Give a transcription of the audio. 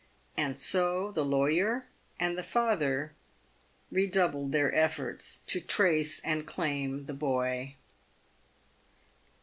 And so the lawyer and the father redoubled their efforts to trace and claim the boy.